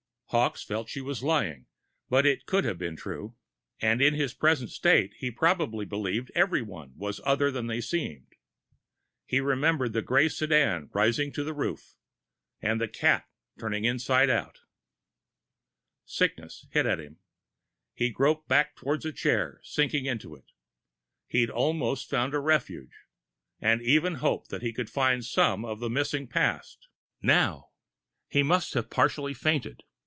Hawkes felt she was lying but it could have been true. And in his present state, he probably believed everyone was other than they seemed. He remembered the gray sedan rising to the roof and the cat turning inside out Sickness hit at him. He groped back towards a chair, sinking into it. He'd almost found a refuge, and even hoped that he could find some of the missing past. Now.... He must have partially fainted.